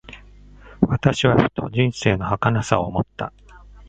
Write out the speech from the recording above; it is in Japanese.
私はふと、人生の儚さを思った。